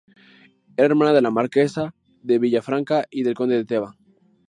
Era hermana de la marquesa de Villafranca y del conde de Teba.